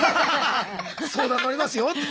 相談乗りますよって。